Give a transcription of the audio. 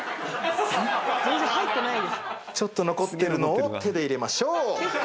ちょっと残ってるのを手で入れましょう。